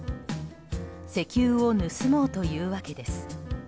石油を盗もうというわけです。